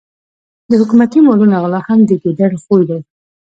د حکومتي مالونو غلا هم د ګیدړ خوی وو.